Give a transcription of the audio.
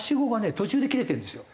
途中で切れてるんですよ。